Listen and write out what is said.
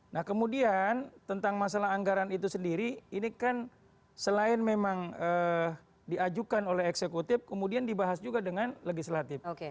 nah kemudian tentang masalah anggaran itu sendiri ini kan selain memang diajukan oleh eksekutif kemudian dibahas juga dengan legislatif